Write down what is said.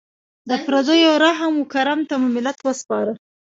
د پردیو رحم و کرم ته مو ملت وسپاره.